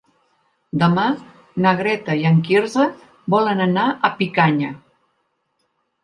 Demà na Greta i en Quirze volen anar a Picanya.